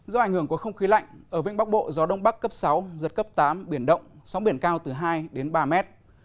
do ảnh hưởng của không khí lạnh ở vĩnh bắc bộ gió đông bắc cấp sáu giật cấp tám biển động sóng biển cao từ hai đến ba mét